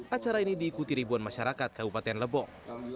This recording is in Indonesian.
acara ini diikuti ribuan masyarakat kabupaten lebong